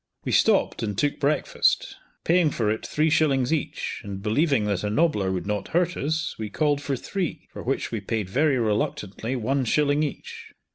We stopped and took breakfast, paying for it three shillings each, and believing that a nobbler would not hurt us, we called for three, for which we paid very reluctantly one shilling each.